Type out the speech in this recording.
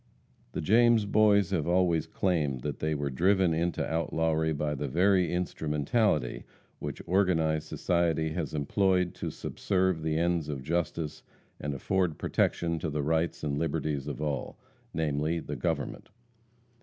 The James Boys have always claimed that they were driven into outlawry by the very instrumentality which organized society has employed to subserve the ends of justice and afford protection to the rights and liberties of all namely, the government.